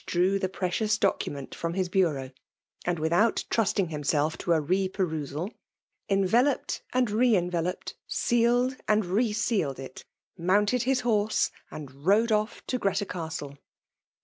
dreir the precious document ii:y>nl his boriiatx ; aUd without trusting himself to a r^ perdsat ' enveloped and re enveloped ^ sealed and re sealed it ; ^mounted hishors^ ^nd rode off to Greta Castle.